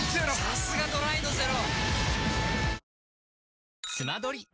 さすがドライのゼロ！